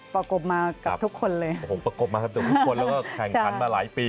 ประกบมากับเกี่ยวกับทุกคนแล้วก็แข่งครั้งมาหลายปี